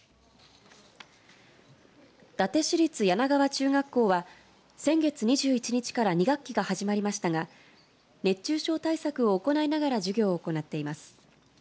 伊達市立梁川中学校は先月２１日から２学期が始まりましたが熱中症対策を行いながら授業を行っています。